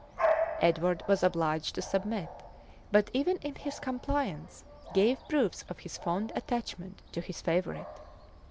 [*] Edward was obliged to submit;[] but even in his compliance gave proofs of his fond attachment to his favorite.